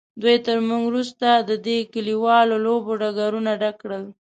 دوی تر موږ وروسته د دې کلیوالو لوبو ډګرونه ډک کړل.